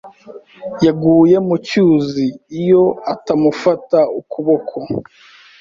Yaguye mu cyuzi iyo atamufata ukuboko.